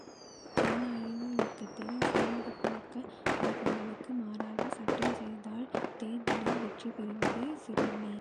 ஜனநாயக யுகத்தில் சமூகப் பழக்க வழக்கங்களுக்கு மாறாகச் சட்டம் செய்தால் தேர்தலில் வெற்றி பெறுவது சிரமமே!